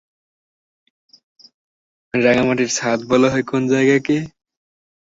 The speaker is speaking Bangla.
রাঙামাটির ছাদ বলা হয় কোন জায়গাকে?